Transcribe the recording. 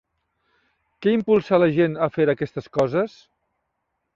Què impulsa a la gent a fer aquestes coses?